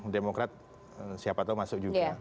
demokrat siapa tahu masuk juga